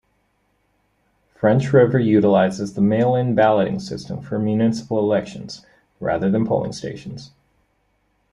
French River utilizes the mail-in balloting system for municipal elections rather than polling stations.